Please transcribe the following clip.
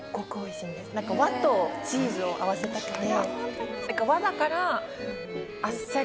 なんか和とチーズを合わせたくて。